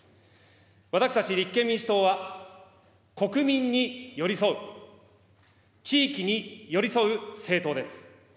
私たち立憲民主党は、国民に寄り添う、地域に寄り添う政党です。